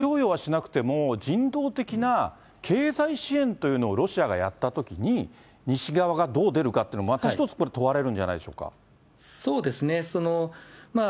武器供与はしなくても、人道的な経済支援というのをロシアがやったときに、西側がどう出るかっていうのは、また一つ、これ、問われるんじゃそうですね。